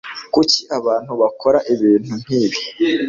kuki abantu bakora ibintu nkibi